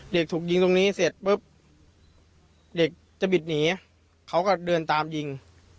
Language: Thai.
เด็กถูกยิงตรงนี้เสร็จปุ๊บเด็กจะบิดหนีเขาก็เดินตามยิง